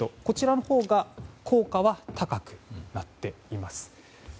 こちらのほうが効果は高くなっています。